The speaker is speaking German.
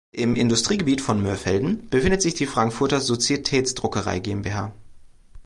Im Industriegebiet von Mörfelden befindet sich die Frankfurter Societäts-Druckerei GmbH.